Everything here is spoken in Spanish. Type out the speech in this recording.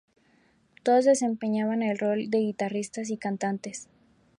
Todos desempeñaban el rol de guitarristas y cantantes.